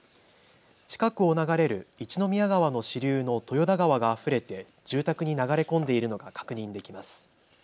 近くを流れる一宮川の支流の豊田川があふれて住宅に流れ込んでいるのが確認できます。